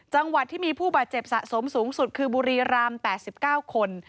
จังหวัดที่มีผู้บาดเจ็บสะสมสูงสุดคือบุรีราม๘๙คน